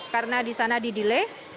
karena di sana di delay